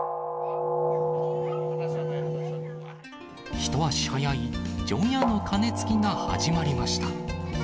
一足早い除夜の鐘つきが始まりました。